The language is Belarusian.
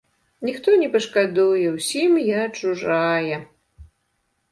Ніхто не пашкадуе, усім я чужая.